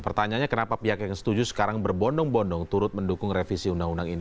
pertanyaannya kenapa pihak yang setuju sekarang berbondong bondong turut mendukung revisi undang undang ini